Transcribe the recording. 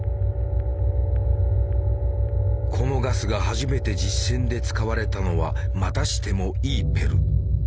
このガスが初めて実戦で使われたのはまたしてもイーペル。